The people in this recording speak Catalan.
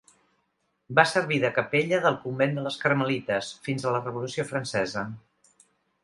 Va servir de capella del convent de les Carmelites fins a la Revolució francesa.